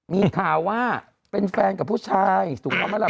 มีข่าวว่าเป็นแฟนกับผู้ชายถูกต้องไหมล่ะ